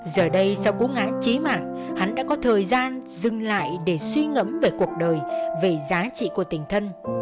giờ đây sau cú ngã trí mạng hắn đã có thời gian dừng lại để suy ngẫm về cuộc đời về giá trị của tình thân